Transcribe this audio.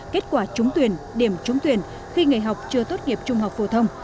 kết quả trúng tuyển điểm trúng tuyển khi nghề học chưa tốt nghiệp trung học phổ thông